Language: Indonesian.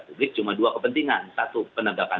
publik cuma dua kepentingan satu penegakan